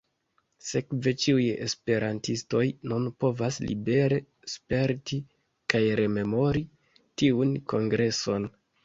Sekve ĉiuj esperantistoj nun povas libere sperti kaj rememori tiun kongreson.